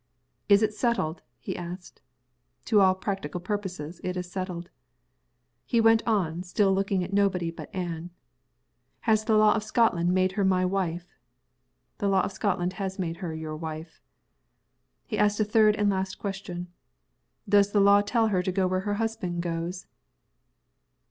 "Is it settled?" he asked. "To all practical purposes, it is settled." He went on, still looking at nobody but Anne. "Has the law of Scotland made her my wife?" "The law of Scotland has made her your wife." He asked a third and last question. "Does the law tell her to go where her husband goes?"